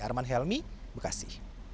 arman helmi bekasi